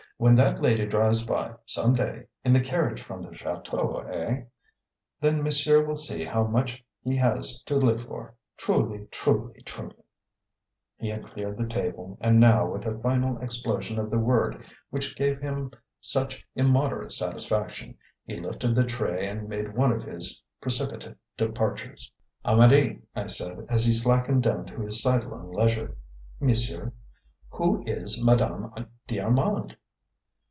When that lady drives by, some day, in the carriage from the chateau eh? Then monsieur will see how much he has to live for. Truly, truly, truly!" He had cleared the table, and now, with a final explosion of the word which gave him such immoderate satisfaction, he lifted the tray and made one of his precipitate departures. "Amedee," I said, as he slackened down to his sidelong leisure. "Monsieur?" "Who is Madame d'Armand?"